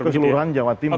keseluruhan jawa timur